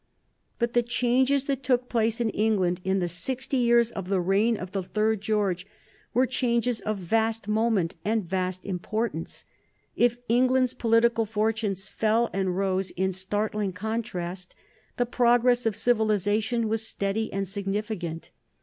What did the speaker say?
But the changes that took place in England in the sixty years of the reign of the third George were changes of vast moment and vast importance. If England's political fortunes fell and rose in startling contrast, the progress of civilization was steady and significant.